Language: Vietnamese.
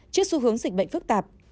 trước xu hướng dịch bệnh phức tạp